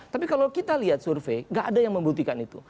tapi kalau kita lihat survei gak ada yang membuktikan itu